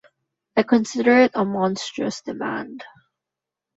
I consider it a monstrous demand.